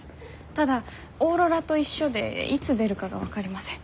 ただオーロラと一緒でいつ出るかが分かりません。